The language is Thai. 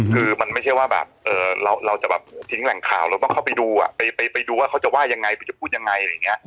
คือมันไม่จะแหล่งข่าวเราต้องเข้าไปดูว่าเขาจะว่ายังไง